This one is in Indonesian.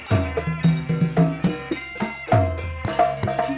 umpama negara indonesia